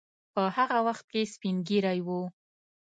په هغه وخت کې سپین ږیری وو.